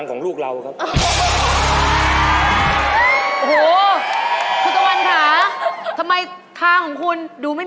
หมูอาจจะคำพูดหนูครับ